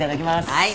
はい。